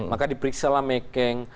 maka diperiksalah mekeng